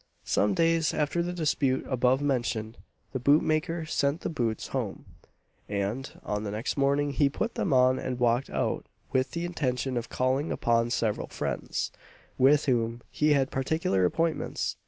Some days after the dispute above mentioned, the boot maker sent the boots home; and, on the next morning, he put them on, and walked out with the intention of calling upon several friends, with whom he had particular appointments.